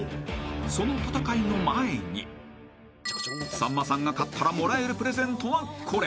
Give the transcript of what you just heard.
［さんまさんが勝ったらもらえるプレゼントはこれ］